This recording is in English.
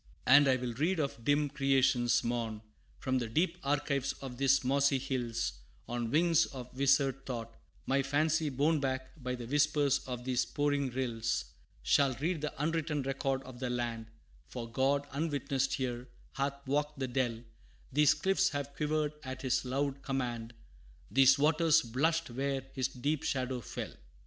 And I will read of dim Creation's morn, From the deep archives of these mossy hills On wings of wizard thought, my fancy, borne Back by the whispers of these pouring rills, Shall read the unwritten record of the land For God, unwitnessed here hath walked the dell, These cliffs have quivered at his loud command, These waters blushed, where his deep shadow fell!